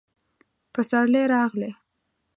پسرلی راغلی